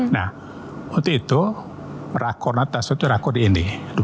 nah untuk itu rakornya tak satu rakor di nd dua puluh satu